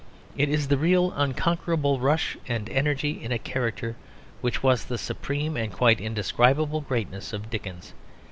It is the real unconquerable rush and energy in a character which was the supreme and quite indescribable greatness of Dickens.